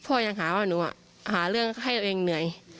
ยังหาว่าหนูหาเรื่องให้ตัวเองเหนื่อย